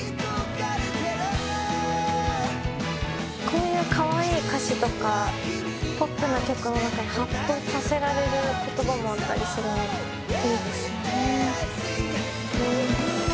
こういうカワイイ歌詞とかポップな曲の中にはっとさせられる言葉もあったりするのいいですよね。